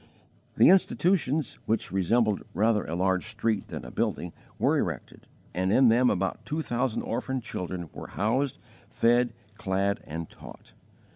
The institutions, which resembled rather a large street than a building, were erected, and in them about two thousand orphan children were housed, fed, clad, and taught.